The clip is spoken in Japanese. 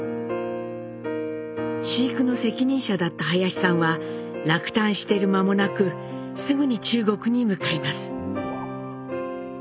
飼育の責任者だった林さんは落胆している間もなくすぐに中国に向かいます。